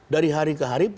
dari hari ke hari